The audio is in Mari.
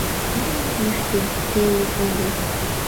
Тӱнӧ йӱштӧ теле ыле.